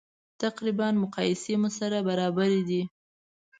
تقریبا مقایسې مو سره برابرې دي.